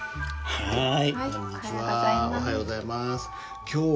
はい。